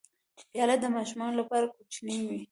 پیاله د ماشومانو لپاره کوچنۍ وي.